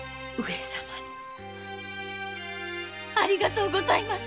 ありがとうございます。